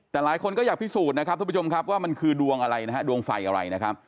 แต่หลายคนก็อยากพิสูจน์นะครับทุกผู้ชมครับว่ามันคือดวงอะไรนะครับ